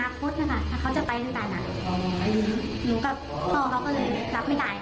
ถ้าเขาจะไปตั้งแต่นั้นหรือว่าพ่อเขาก็เลยรับไม่ได้